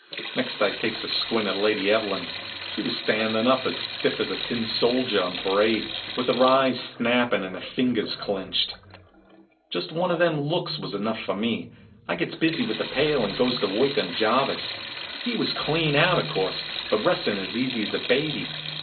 Next I takes a squint at Lady Evelyn. She was standin' up as stiff as a tin soldier on parade, with her eyes snappin' and her fingers clinched. Just one of them looks was enough for me. I gets busy with a pail, and goes to work on Jarvis. He was clean out, of course, but restin' as easy as a baby.